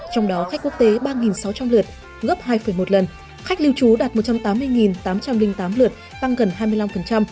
trong đó khách quốc tế ba sáu trăm linh lượt gấp hai một lần khách lưu trú đạt một trăm tám mươi tám trăm linh tám lượt tăng gần hai mươi năm